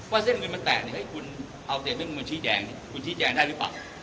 ว่าเส้นเงินมันแตกให้คุณเอาเตรียมเป็นคุณชี้แจงคุณชี้แจงได้หรือเปล่า